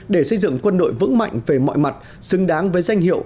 để xây dựng quân đội vững mạnh về mọi mặt xứng đáng với danh hiệu